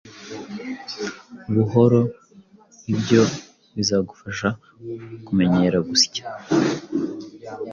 Buhoro ibyo bizagufasha kumenyera gusya.